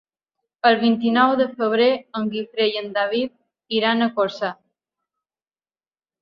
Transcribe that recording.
El vint-i-nou de febrer en Guifré i en David iran a Corçà.